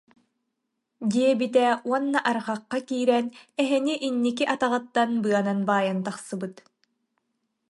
диэбитэ уонна арҕахха киирэн, эһэни инники атаҕыттан быанан баайан тахсыбыт